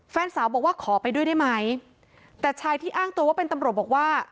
แฟนสาวบอกว่าขอไปด้วยได้ไหมแต่ชายที่อ้างตัวว่าเป็นตำรวจบอกว่า